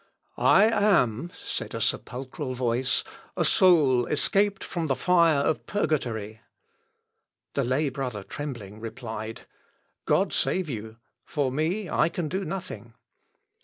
"I am," said a sepulchral voice, "a soul escaped from the fire of purgatory." The lay brother trembling, replied, "God save you; for me, I can do nothing."